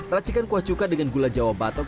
racikan kuah cuka dengan gula jawa batok